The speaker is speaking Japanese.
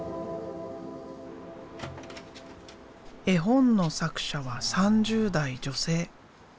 絵本の作者は３０代女性。